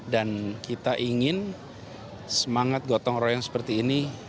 kita ingin semangat gotong royong seperti ini